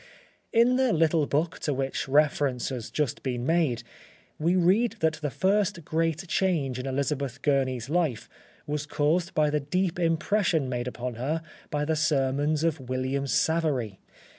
In the little book to which reference has just been made, we read that the first great change in Elizabeth Gurney's life was caused by the deep impression made upon her by the sermons of William Savery.